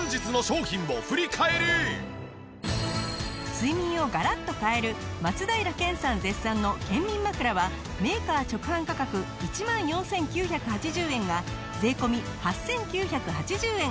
睡眠をガラッと変える松平健さん絶賛の健眠枕はメーカー直販価格１万４９８０円が税込８９８０円。